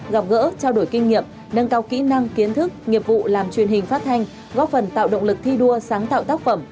gặp gỡ trao đổi kinh nghiệm nâng cao kỹ năng kiến thức nghiệp vụ làm truyền hình phát thanh góp phần tạo động lực thi đua sáng tạo tác phẩm